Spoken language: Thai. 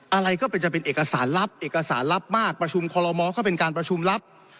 อะไรก็เป็นจะเป็นเอกสารลับเอกสารลับมากประชุมคอลโมก็เป็นการประชุมลับ